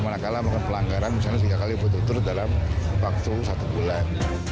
manakala melakukan pelanggaran misalnya tiga kali betul betul dalam waktu satu bulan